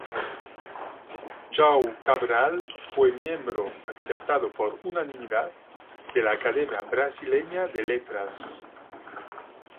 João Cabral fue miembro -aceptado por unanimidad- de la Academia Brasileña de Letras.